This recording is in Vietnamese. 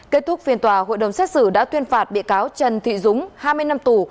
kết thúc phiên tòa hội đồng xét xử đã tuyên phạt bị cáo trần thị dũng hai mươi năm tù